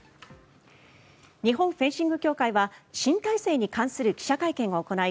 日本フェンシング協会は新体制に関する記者会見を行い